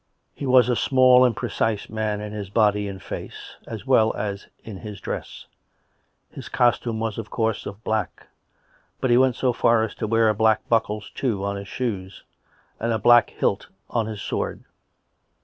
... He was a small and precise man in his body and face, as well as in his dress; his costume was, of course, of black; but he went so far as to wear black buckles, too, on his shoes, and a black hilt on his sword.